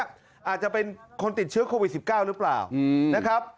อาจจะเป็นคนติดเชื้อโควิด๑๙หรือเปล่านะครับ